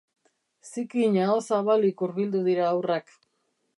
Zikin, aho-zabalik hurbildu dira haurrak.